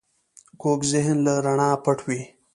کوږ ذهن له رڼا پټ وي